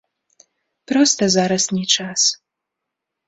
Проста зараз не час.